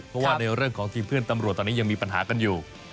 เพราะว่าในเรื่องของทีมเพื่อนตำรวจตอนนี้ยังมีปัญหากันอยู่